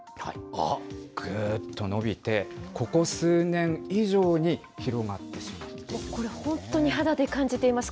ぐっと伸びて、ここ数年以上に広がってしまっているんですね。